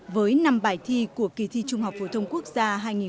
với năm bài thi của kỳ thi trung học phổ thông quốc gia hai nghìn một mươi tám